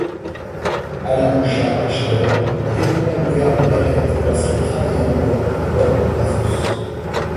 Alain Bouchard, l'acheteur, avait lui-même ouvert le Perrette lorsqu'il travaillait encore pour Bob Bazos.